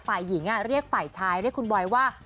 ฝ่ายหญิงเรียกฝ่ายชายเรียกคุณบอยว่า